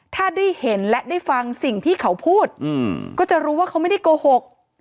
ถ้าได้เห็นและได้ฟังสิ่งที่เขาพูดก็จะรู้ว่าเขาไม่ได้โกหก